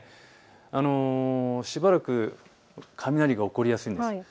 しばらく雷が起こりやすいです。